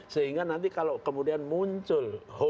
sehingga nanti kalau kemudian muncul hoax yang mencoba